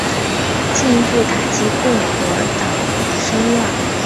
这进一步打击共和党声望。